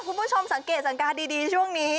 คุณผู้ชมสังเกตสังการดีช่วงนี้